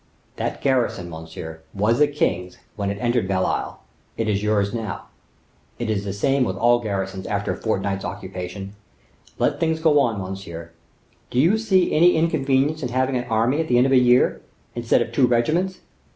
"That garrison, monsieur, was the king's when it entered Belle Isle; it is yours now; it is the same with all garrisons after a fortnight's occupation. Let things go on, monsieur. Do you see any inconvenience in having an army at the end of a year, instead of two regiments?